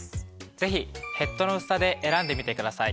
ぜひヘッドの薄さで選んでみてください。